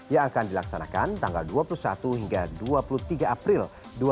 yang akan dilaksanakan tanggal dua puluh satu hingga dua puluh tiga april dua ribu dua puluh